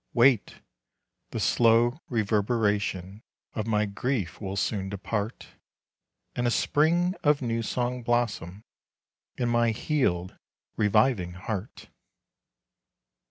Wait! the slow reverberation Of my grief will soon depart, And a spring of new song blossom In my healed, reviving heart.